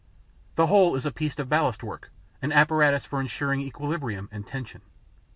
The whole is a piece of ballast work, an apparatus for ensuring equilibrium and tension.